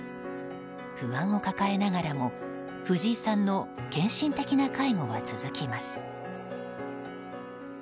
不安を抱えながらも、藤井さんの献身的な介護は続きます。